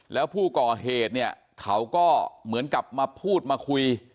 แล้วผู้ก่อเหตุเนี่ยเขาก็เหมือนกับมาพูดมาคุย